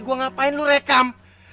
gue ngapain lu rekam